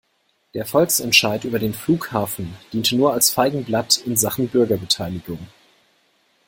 Der Volksentscheid über den Flughafen diente nur als Feigenblatt in Sachen Bürgerbeteiligung.